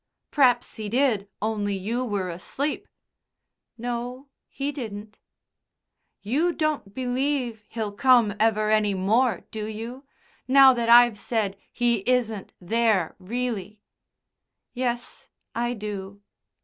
"P'r'aps he did, only you were asleep." "No, he didn't." "You don't believe he'll come ever any more, do you? Now that I've said he isn't there really?" "Yes, I do."